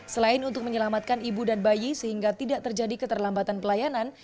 selain untuk menyelamatkan ibu dan bayi sehingga tidak terjadi keterlambatan pelayanan